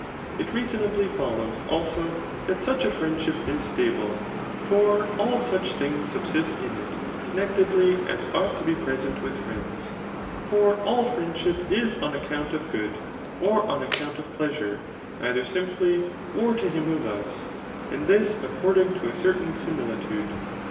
It reasonably follows, also, that such a friendship is stable ; for all such things subsist in it connectedly as ought to be present with friends. For all friendship is on account of good, or on account of pleasure, either simply, or to him who loves, and this according to a certain similitude.